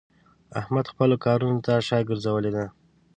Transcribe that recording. احمد خپلو کارو ته شا ګرځولې ده.